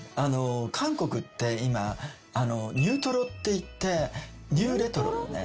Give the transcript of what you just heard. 韓国って今ニュートロっていってニューレトロよね。